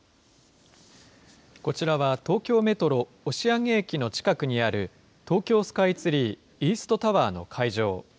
こちらは東京メトロ押上駅の近くにある東京スカイツリーイーストタワーの会場。